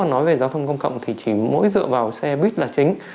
nói về giao thông công cộng thì chỉ mỗi dựa vào xe buýt là chính